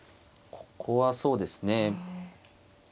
ここはそうですね。